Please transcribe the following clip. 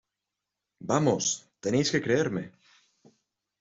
Vamos, tenéis que creerme.